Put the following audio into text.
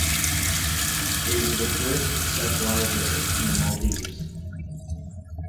It is the first such library in the Maldives.